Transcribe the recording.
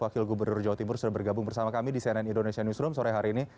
wakil gubernur jawa timur sudah bergabung bersama kami di cnn indonesia newsroom sore hari ini